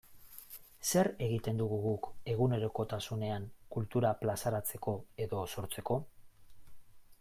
Zer egiten dugu guk egunerokotasunean kultura plazaratzeko edo sortzeko?